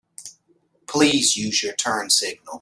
Please use your turn signal.